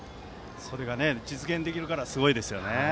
それが実現できるからすごいですね。